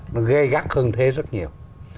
nó gây gắt hơn thế rất nhiều